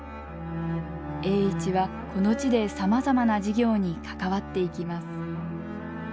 栄一はこの地でさまざまな事業に関わっていきます。